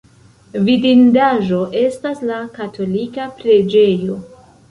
Vidindaĵo estas la katolika preĝejo.